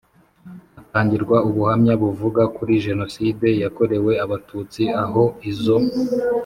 hatangirwa ubuhamya buvuga kuri Jenoside yakorewe Abatutsi aho izo